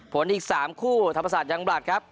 อีก๓คู่ธรรมศาสตร์ยังบลัดครับ